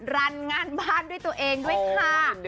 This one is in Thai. รันงานบ้านด้วยตัวเองด้วยค่ะ